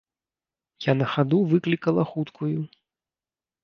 Я на хаду выклікала хуткую.